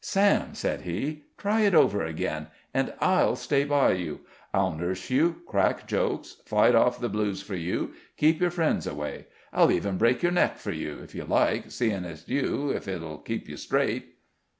"Sam," said he, "try it over again, and I'll stay by you. I'll nurse you, crack jokes, fight off the blues for you, keep your friends away. I'll even break your neck for you, if you like, seeing it's you, if it'll keep you straight."